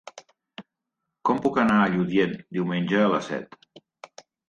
Com puc anar a Lludient diumenge a les set?